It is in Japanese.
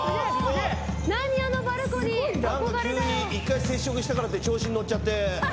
１回接触したからって調子に乗っちゃって。